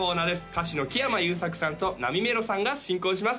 歌手の木山裕策さんとなみめろさんが進行します